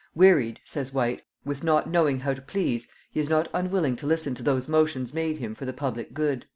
"Wearied," says White, "with not knowing how to please, he is not unwilling to listen to those motions made him for the public good."